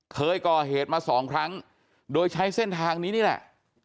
เคยก่อเหตุมาสองครั้งโดยใช้เส้นทางนี้นี่แหละ